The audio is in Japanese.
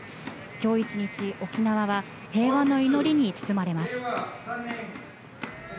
今日１日、沖縄は平和の祈りに包まれます。